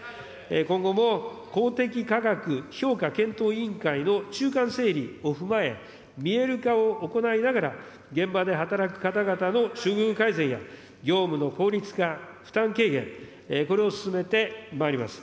今後も公的価格評価検討委員会の中間整理を踏まえ、見える化を行いながら、現場で働く方々の処遇改善や、業務の効率化、負担軽減、これを進めてまいります。